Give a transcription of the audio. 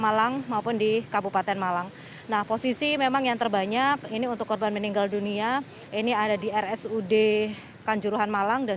sebagai informasi bahwa data terakhir yang disampaikan oleh menteri mohadjir fnd ini bahwa korban meninggal dunia hingga posisi terakhir yang ters bands yang bebas ini adalah tiga belas orang